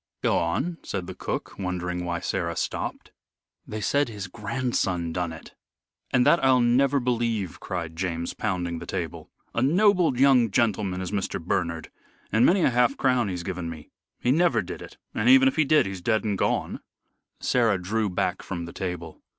"Go on," said the cook, wondering why Sarah stopped. "They said his grandson done it." "And that I'll never believe," cried James, pounding the table. "A noble young gentleman Mr. Bernard, and many a half crown he's given me. He never did it, and even if he did, he's dead and gone." Sarah drew back from the table.